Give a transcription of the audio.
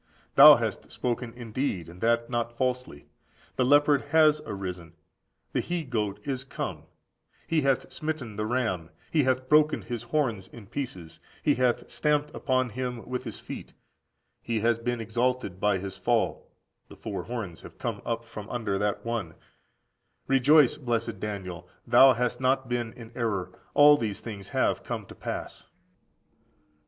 Thou hast spoken indeed, and that not falsely. The leopard has arisen; the he goat is come; he hath smitten the ram; he hath broken his horns in pieces; he hath stamped upon him with his feet. He has been exalted by his fall; (the) four horns have come up from under that one.14691469 Dan. viii. 2–8. Rejoice, blessed Daniel! thou hast not been in error: all these things have come to pass.